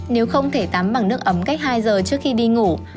nếu không thể tắm bằng nước ấm cách hai giờ trước khi đi ngủ